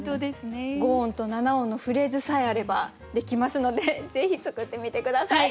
５音と７音のフレーズさえあれば出来ますのでぜひ作ってみて下さい。